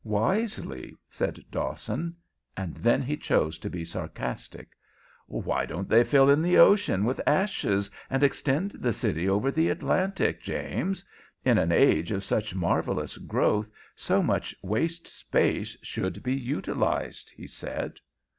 "Wisely," said Dawson. And then he chose to be sarcastic. "Why don't they fill in the ocean with ashes and extend the city over the Atlantic, James? In an age of such marvellous growth so much waste space should be utilized," he said.